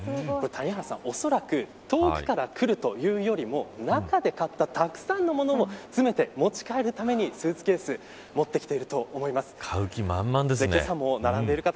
谷原さん、おそらく遠くから来るというよりも中で買ったたくさんの物を詰めて持ち帰るためにスーツケースを持ってきていると思います。